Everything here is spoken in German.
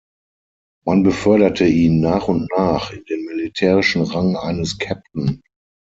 Man beförderte ihn nach und nach in den militärischen Rang eines "Captain".